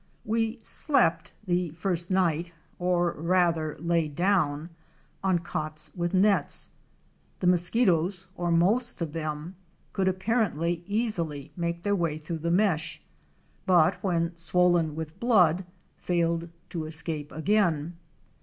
We slept the first night, or rather lay down, on cots with nets. The mosquitoes, or most of them, could apparently easily make their way through the mesh, but when swollen with blood failed to escape again.